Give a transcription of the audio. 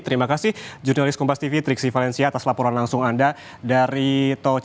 terima kasih jurnalis kompas tv triksi valencia atas laporan langsung anda dari tochi